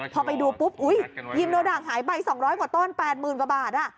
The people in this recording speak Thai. พอไปดูปุ๊บอุ๊ยิมโดด่างหายไป๒๐๐กว่าต้น๘๐๐๐กว่าบาท